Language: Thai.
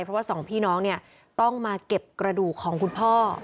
เพราะว่าสองพี่น้องเนี่ยต้องมาเก็บกระดูกของคุณพ่อ